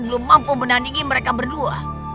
belum mampu menandingi mereka berdua